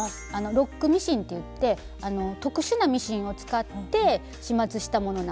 「ロックミシン」といって特殊なミシンを使って始末したものなんですけども。